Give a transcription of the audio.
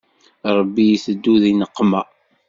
Ṛebbi iteddu di nneqma.